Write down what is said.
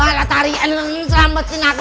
alah tarian selamat sini aku